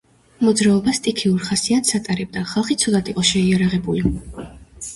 მოძრაობა სტიქიურ ხასიათს ატარებდა, ხალხი ცუდად იყო შეიარაღებული.